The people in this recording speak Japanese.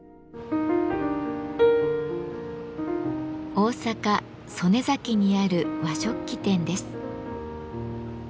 大阪・曽根崎にある和食器店です。